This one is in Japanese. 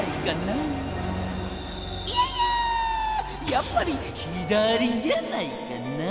いやいややっぱり左じゃないかなぁ？